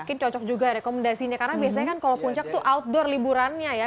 mungkin cocok juga rekomendasinya karena biasanya kan kalau puncak itu outdoor liburannya ya